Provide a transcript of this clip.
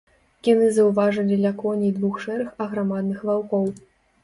Яны заўважылі ля коней двух шэрых аграмадных ваўкоў.